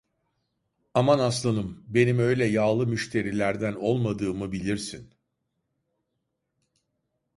Aman aslanım, benim öyle yağlı müşterilerden olmadığımı bilirsin!